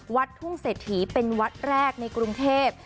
วัดทุ่งเศรษฐีเป็นวัดแรกในกรุงเทพ